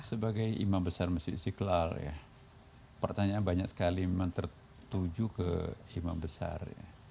sebagai imam besar masjid istiqlal ya pertanyaan banyak sekali memang tertuju ke imam besar